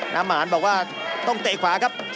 น้ำหวานบอกว่าต้องเตะขวาครับ